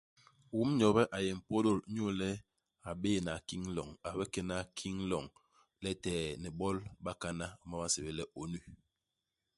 Um Nyobe a yé Mpôdôl inyu le a bé'éna kiñ loñ, a bikena kiñ loñ letee ni ibol i bakana, i homa ba nsébél le ONU.